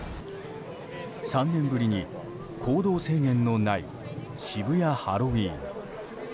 ３年ぶりに行動制限のない渋谷ハロウィーン。